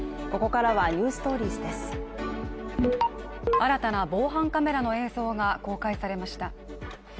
新たな防犯カメラの映像が公開されました。